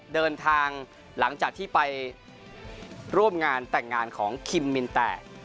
เดินทางหลังจากที่ไปร่วมงานแต่งงานของคิมมินแต่